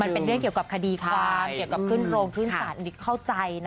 มันเป็นเรื่องเกี่ยวกับคดีความเกี่ยวกับขึ้นโรงขึ้นศาลอันนี้เข้าใจนะ